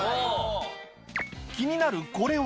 気になるこれは？